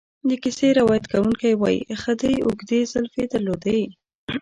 د کیسې روایت کوونکی وایي خدۍ اوږدې زلفې درلودې.